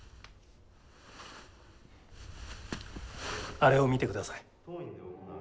あれを見てください。